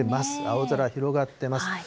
青空広がってます。